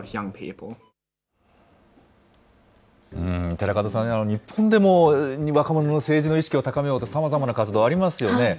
寺門さんね、日本でも若者の政治の意識を高めようと、さまざまな活動ありますよね。